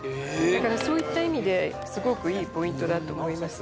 だからそういった意味ですごくいいポイントだと思います